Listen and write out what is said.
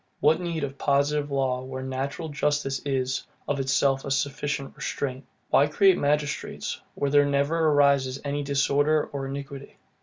What need of positive law where natural justice is, of itself, a sufficient restraint? Why create magistrates, where there never arises any disorder or iniquity?